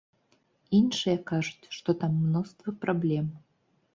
Іншыя кажуць, што там мноства праблем.